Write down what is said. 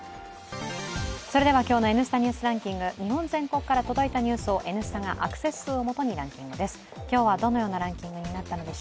今日の「Ｎスタ・ニュースランキング」日本全国から届いたニュースを「Ｎスタ」がアクセス数をもとにランキングです